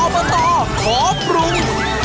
อบตขอปรุง